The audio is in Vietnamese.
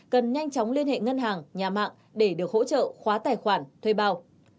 cần nhanh chóng liên hệ ngân hàng nhà mạng để được hỗ trợ khóa tài khoản thuê bao